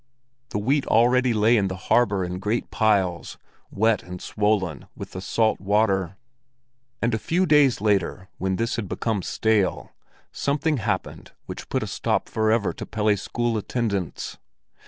The wheat already lay in the harbor in great piles, wet and swollen with the salt water. And a few days later, when this had become stale, something happened which put a stop forever to Pelle's school attendance.